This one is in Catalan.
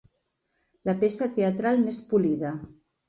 La peça teatral més polida.